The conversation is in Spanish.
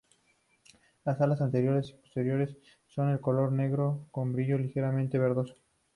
Las alas anteriores y posteriores son de color negro con brillo ligeramente verdoso.